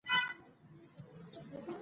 مېوې د افغانانو د معیشت سرچینه ده.